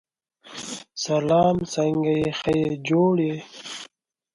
In some churches, anointing with oil is also practiced.